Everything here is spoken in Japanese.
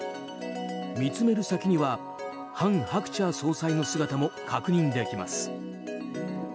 見つめる先には韓鶴子総裁の姿も確認できます。